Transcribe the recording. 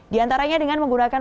di antaranya dengan menggunakan